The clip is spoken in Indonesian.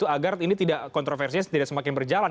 agar kontroversinya tidak semakin berjalan